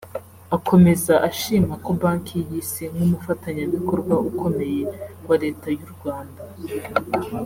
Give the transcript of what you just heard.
Akomeza ashima ko Banki y’Isi nk’umufatanyabikorwa ukomeye wa Leta y’u Rwanda